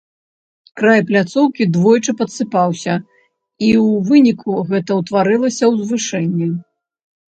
Край пляцоўкі двойчы падсыпаўся, і ў выніку гэтага ўтварылася ўзвышэнне.